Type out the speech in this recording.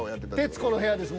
「徹子の部屋」です。